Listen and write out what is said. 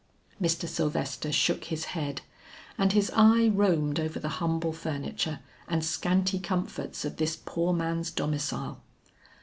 Mr. Sylvester shook his head, and his eye roamed over the humble furniture and scanty comforts of this poor man's domicile.